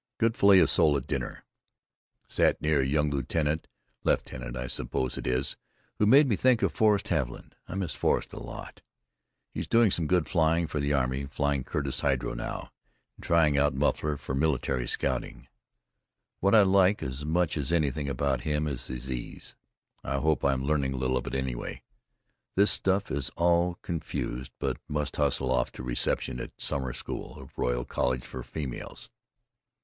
Good filet of sole at dinner. Sat near a young lieutenant, leftenant I suppose it is, who made me think of Forrest Haviland. I miss Forrest a lot. He's doing some good flying for the army, flying Curtiss hydro now, and trying out muffler for military scouting. What I like as much as anything about him is his ease, I hope I'm learning a little of it anyway. This stuff is all confused but must hustle off to reception at summer school of Royal College for Females.